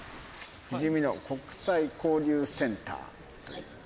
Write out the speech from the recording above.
ふじみの国際交流センター。